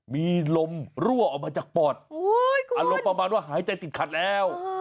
มีลมรั่วออกมาจากปอดอารมณ์ประมาณว่าหายใจติดขัดแล้ว